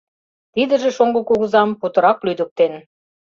Тидыже шоҥго кугызам путырак лӱдыктен.